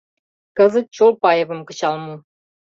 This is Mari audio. Кызыт Чолпаевым кычал му.